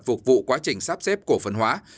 phục vụ quá trình sắp xếp cổ phần hóa